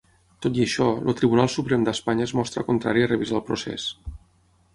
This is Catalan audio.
Tot i això, el Tribunal Suprem d'Espanya es mostra contrari a revisar el procés.